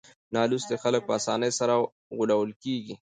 نالوستي خلک په اسانۍ سره غولول کېږي.